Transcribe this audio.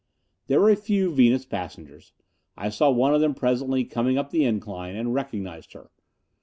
There were a few Venus passengers. I saw one of them presently coming up the incline, and recognized her.